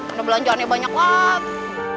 ada belanjaannya banyak banget